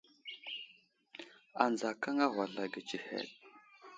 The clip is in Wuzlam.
Adzakaŋ a ghwazl age tsəhəd.